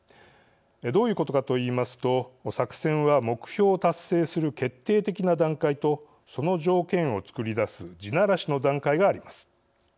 どういうことかといいますと作戦は目標を達成する決定的な段階とその条件を作り出す地ならしの段階があります。